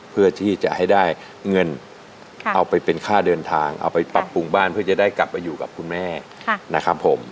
เพื่อที่จะให้ได้เงินเอาไปเป็นค่าเดินทางเอาไปปรับปรุงบ้านเพื่อจะได้กลับไปอยู่กับคุณแม่นะครับผม